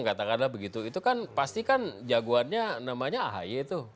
gatakanlah begitu itu kan pastikan jagoannya namanya ahy itu